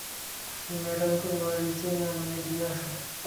ম্যাডামকে বাড়ীতে নামিয়ে দিয়ে আসো।